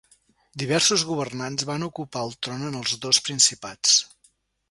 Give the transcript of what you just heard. Diversos governants van ocupar el tron en els dos principats.